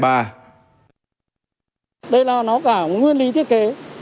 đây là nó cả một nguyên lý thiết kế